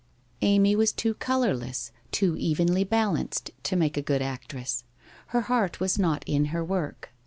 Amy was too colourless, too evenly balanced, to make a good actress. Her heart was not in her work.